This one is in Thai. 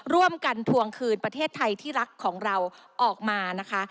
ทวงคืนประเทศไทยที่รักของเราออกมานะคะ